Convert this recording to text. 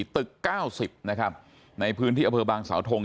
ตึก๙๐นะครับในพื้นที่อเผอบังสาวทง